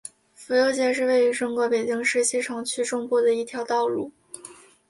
府右街是位于中国北京市西城区中部的一条道路。